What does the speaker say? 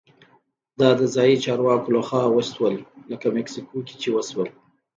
دا د ځايي چارواکو لخوا وشول لکه مکسیکو کې چې وشول.